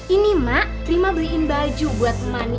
ini mbak rima beliin baju buat mbak